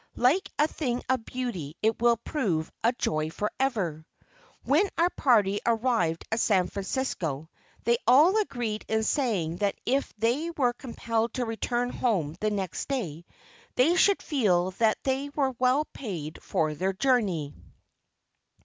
Like a thing of beauty it will prove "a joy forever." When our party arrived at San Francisco, they all agreed in saying that if they were compelled to return home the next day, they should feel that they were well paid for their journey.